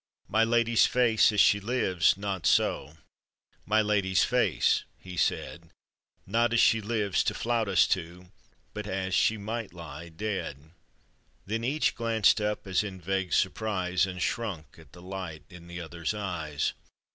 " My lady's face as she lives — not so; My lady's face," he said, " Not as she lives to flout us two, But as — she miyht lie dead." Then each glanced up as in vague surprise, And shrunk at the light in the other's eyes.